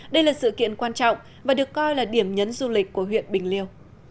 đây là sự kiện quan trọng và được coi là điểm nhấn du lịch của huyện bình liêu